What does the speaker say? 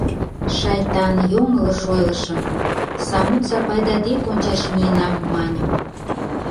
Шайтан, йоҥылыш ойлышым: Самут Сапайда деке ончаш миенам, маньым.